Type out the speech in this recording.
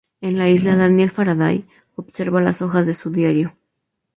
En la isla, Daniel Faraday observa las hojas de su diario.